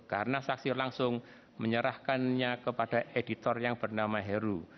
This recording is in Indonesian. karena saksi langsung menyerahkannya kepada editor yang bernama heru